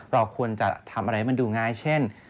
เราควรจะทำอะไรให้มันดูง่ายเช่น